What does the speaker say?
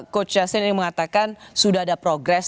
coach justin ini mengatakan sudah ada progres